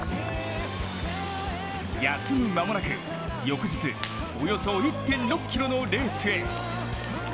休む間もなく、翌日およそ１．６ｋｍのレースへ。